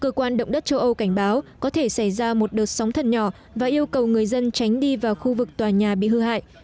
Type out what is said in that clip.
cơ quan động đất châu âu cảnh báo có thể xảy ra một đợt sóng thần nhỏ và yêu cầu người dân tránh đi vào khu vực tòa nhà bị hư hại